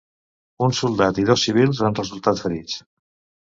Un soldat i dos civils han resultat ferits.